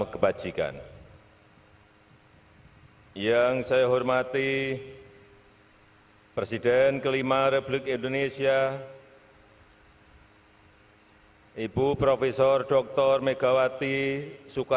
kepada inspektur upacara hormat senjata